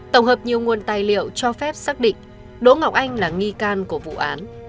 tổng hợp nhiều nguồn tài liệu cho phép xác định đỗ ngọc anh là nghi can của vụ án